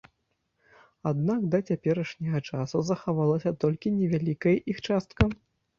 Аднак да цяперашняга часу захавалася толькі невялікая іх частка.